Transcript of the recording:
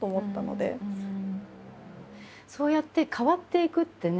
そうやって変わっていくってね